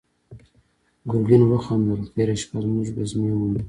ګرګين وخندل: تېره شپه زموږ ګزمې ونيو.